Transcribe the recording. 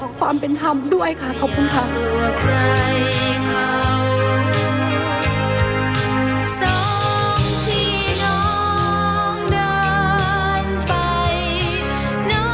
บนฟ้านั้นเอื้อมือเครื่องจันทร์